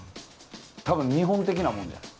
多分日本的なもんじゃない？